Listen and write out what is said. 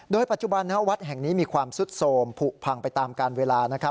โดยปัจจุบันวัดแห่งนี้มีความสุดโสมผูกพังไปตามการเวลา